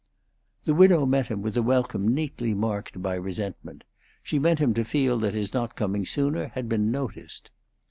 The widow met him with a welcome neatly marked by resentment; she meant him to feel that his not coming sooner had been noticed.